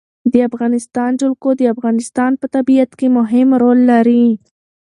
د افغانستان جلکو د افغانستان په طبیعت کې مهم رول لري.